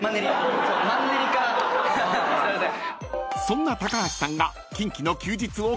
［そんな橋さんが］